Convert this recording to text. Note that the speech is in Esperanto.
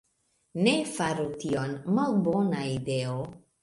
Ne faru tion. Malbona ideo.